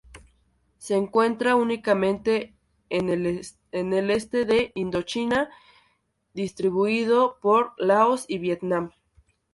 Se encuentra únicamente en el este de Indochina, distribuido por Laos y Vietnam.